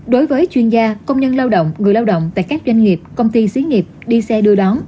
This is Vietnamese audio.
đối với chuyên gia công nhân lao động người lao động tại các doanh nghiệp công ty xí nghiệp đi xe đưa đón